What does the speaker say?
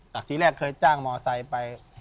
ทีแรกเคยจ้างมอไซค์ไป